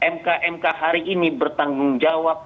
mkmk hari ini bertanggung jawab